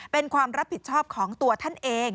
เป็นความรับผิดชอบของตัวท่านเอง